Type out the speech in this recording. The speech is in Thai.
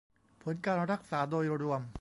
ผลการรักษาโดยรวม